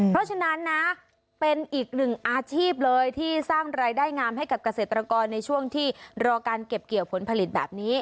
เพราะฉะนั้นนะเป็นอีกหนึ่งอาชีพเลยที่สร้างรายได้งามให้กับเกษตรกรในช่วงที่รอการเก็บเกี่ยวผลผลิตแบบนี้